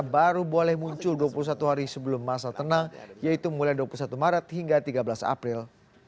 baru boleh muncul dua puluh satu hari sebelum masa tenang yaitu mulai dua puluh satu maret hingga tiga belas april